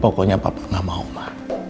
pokoknya papa gak mau ma